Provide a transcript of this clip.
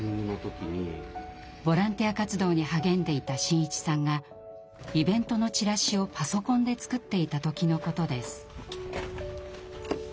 ボランティア活動に励んでいた伸一さんがイベントのチラシをパソコンで作っていた時のことです。